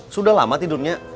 sudah lama tidurnya